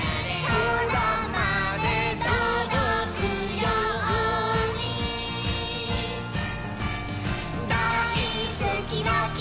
「そらまでとどくように」「だいすきの木」